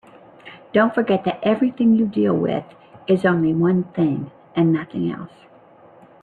Don't forget that everything you deal with is only one thing and nothing else.